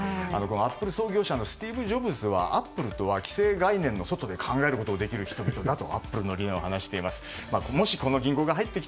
アップル創業者のスティーブ・ジョブズはアップルとは既成概念の外で考えることができる人々のことだと。